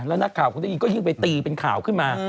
แล้วนักข่าวคงได้ยินก็ยิ่งไปตีเป็นข่าวขึ้นมา